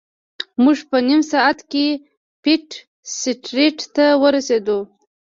موږ په نیم ساعت کې پیټ سټریټ ته ورسیدو.